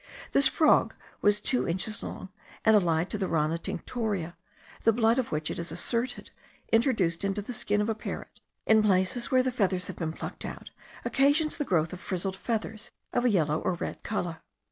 This frog was two inches long, and allied to the Rana tinctoria, the blood of which, it is asserted, introduced into the skin of a parrot, in places where the feathers have been plucked out, occasions the growth of frizzled feathers of a yellow or red colour.